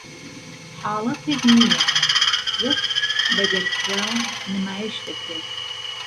"حاڵەتێک نیە" وەک "بەدەرکراو" نمایش دەکرێت.